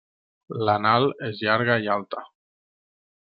L'anal és llarga i alta.